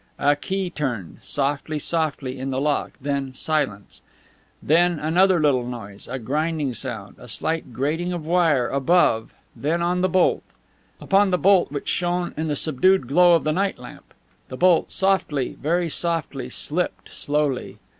A key turned, softly, softly, in the lock, and then silence; and then another little noise, a grinding sound, a slight grating of wire, above, then on the bolt; upon the bolt which shone in the subdued glow of the night lamp. The bolt softly, very softly, slipped slowly.